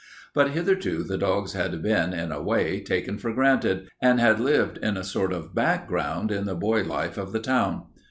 But hitherto the dogs had been, in a way, taken for granted, and had lived in a sort of background in the boy life of the town.